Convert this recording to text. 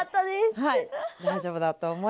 はい！